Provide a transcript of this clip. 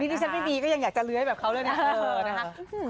ดิฉันไม่มีก็ยังอยากจะเลื้อยแบบเขาเลยนะ